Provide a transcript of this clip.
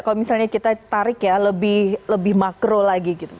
kalau misalnya kita tarik ya lebih makro lagi gitu